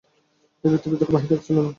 এই ব্যক্তির ভিতর বাহির এক ছিল না।